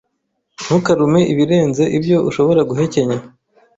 Ntukarume ibirenze ibyo ushobora guhekenya.